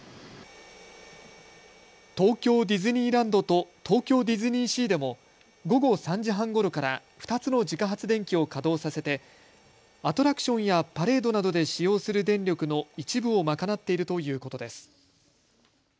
東京ディズニーランドと東京ディズニーシーでも午後３時半ごろから２つの自家発電機を稼働させてアトラクションやパレードなどで使用する電力の一部を賄っているということです。